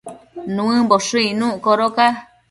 Nuëmboshë icnuc codoca